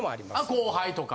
後輩とか？